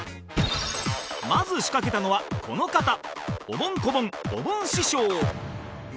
まず仕掛けたのはこの方おぼん・こぼんおぼん師匠